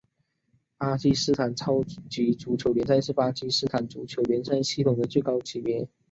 巴基斯坦超级足球联赛是巴基斯坦足球联赛系统的最高级别。